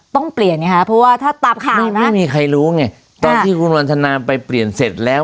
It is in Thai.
ต้องเปลี่ยนไงฮะเพราะว่าถ้าตับค่ะมีไหมไม่มีใครรู้ไงตอนที่คุณวันทนาไปเปลี่ยนเสร็จแล้ว